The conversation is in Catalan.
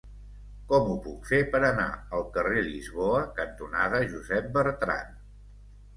Com ho puc fer per anar al carrer Lisboa cantonada Josep Bertrand?